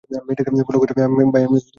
ভাই, আমি মেয়েটাকে ফলো করি।